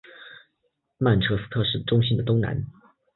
曼彻斯特市中心的东南。